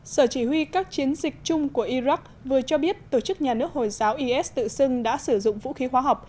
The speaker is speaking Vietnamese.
sở chỉ huy các chiến dịch chung của iraq vừa cho biết tổ chức nhà nước hồi giáo is tự xưng đã sử dụng vũ khí hóa học